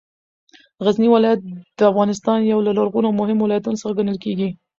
غزنې ولایت د افغانستان یو له لرغونو او مهمو ولایتونو څخه ګڼل کېږې